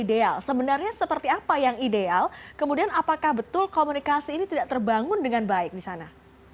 ideal sebenarnya seperti apa yang ideal kemudian apakah betul komunikasi ini tidak terbangun dengan baik di sana